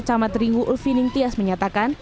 kecelakaan jalan jalan jalan terimu ulfining tias menyatakan